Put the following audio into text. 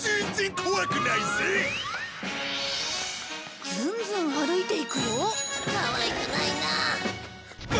かわいくないなあ。